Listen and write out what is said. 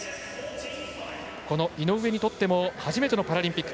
井上にとっての初めてのパラリンピック。